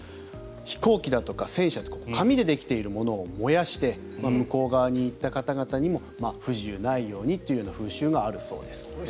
飛行機だとか戦車とか紙でできているものを燃やして向こう側に行った方々にも不自由ないようにという風習があるそうですね。